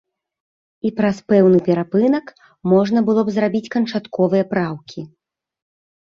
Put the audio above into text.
І праз пэўны перапынак можна было б зрабіць канчатковыя праўкі.